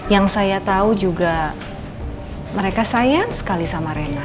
yang saya tahu juga mereka sayang sekali sama rena